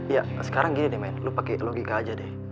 ya sekarang gini deh men lo pake logika aja deh